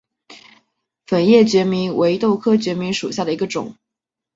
粉叶决明为豆科决明属下的一个种。